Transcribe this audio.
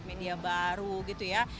media baru gitu ya